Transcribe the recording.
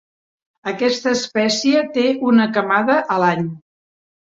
Aquesta espècie té una camada a l'any.